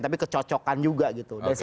tapi kecocokan juga gitu